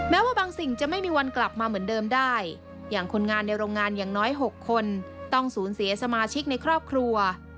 ว่าบางสิ่งจะไม่มีวันกลับมาเหมือนเดิมได้อย่างคนงานในโรงงานอย่างน้อย๖คนต้องสูญเสียสมาชิกในครอบครัว